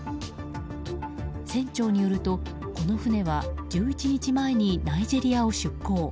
船長によるとこの船は１１日前にナイジェリアを出港。